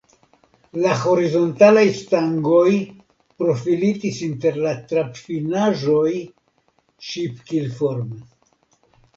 La horizontalaj stangoj profilitis inter la trabfinaĵoj ŝipkilforme.